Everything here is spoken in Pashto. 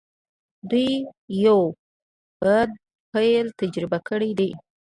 دوی يو بد پيل تجربه کړی دی.